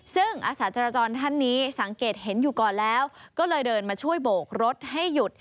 ซึ่งอาสาจรจรท่านนี้สังเกตเห็นอยู่ก่อนแล้วก็เลยเดินมาช่วยโบกรถให้หยุด